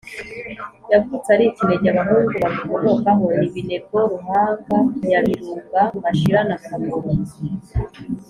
Yavutse ari ikinege, abahungu bamukomokaho ni Binego, Ruhanga, Nyabirunga Mashira na Kagoro.